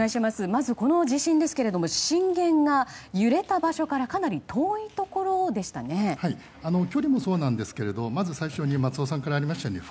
まずこの地震ですが震源が揺れた場所から、かなり遠いところでしたね。